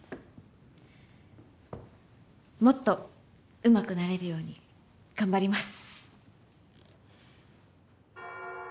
もっとうまくなれるように頑張ります。